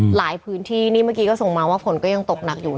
หลายพื้นที่นี่เมื่อกี้ก็ส่งมาว่าฝนก็ยังตกหนักอยู่